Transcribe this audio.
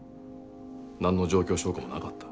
何の状況証拠もなかった。